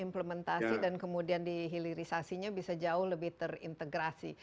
implementasi dan kemudian dihilirisasinya bisa jauh lebih terintegrasi